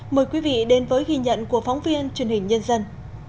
mời quý vị đến với ghi nhận của phóng viên truyền hình nhân dân